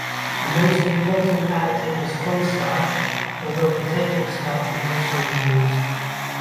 The most important additive is cornstarch, although potato starch may also be used.